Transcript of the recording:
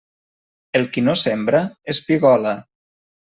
El qui no sembra, espigola.